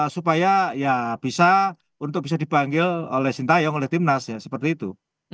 supaya ya bisa untuk bisa dipanggil oleh sintayong oleh timnas ya seperti itu